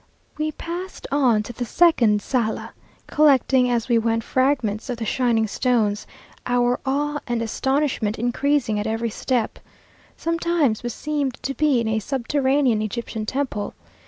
We passed on to the second sala, collecting as we went fragments of the shining stones, our awe and astonishment increasing at every step. Sometimes we seemed to be in a subterranean Egyptian temple.